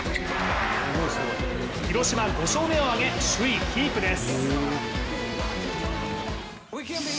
広島５勝目を挙げ首位キープです。